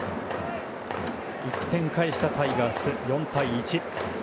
１点を返したタイガース４対１。